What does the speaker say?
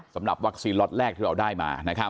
สำหรับวัคซีนล็อตแรกที่เราได้มา